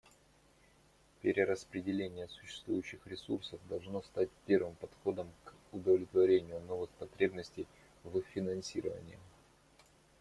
Перераспределение существующих ресурсов должно стать первым походом к удовлетворению новых потребностей в финансировании.